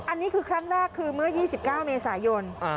อันนี้คือครั้งแรกคือเมื่อยี่สิบเก้าเมษายนอ่า